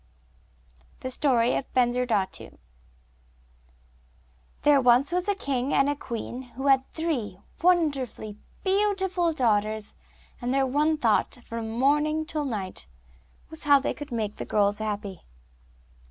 ] The Story of Bensurdatu There was once a king and a queen who had three wonderfully beautiful daughters, and their one thought, from morning till night, was how they could make the girls happy.